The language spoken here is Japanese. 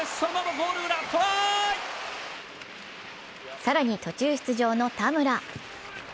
更に途中出場の田村。